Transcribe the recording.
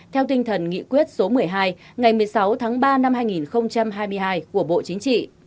theo tinh thần nghị quyết số một mươi hai ngày một mươi sáu tháng ba năm hai nghìn hai mươi hai của bộ chính trị